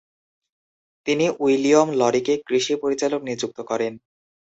তিনি উইলিয়ম লরিকে কৃষি পরিচালক নিযুক্ত করেন।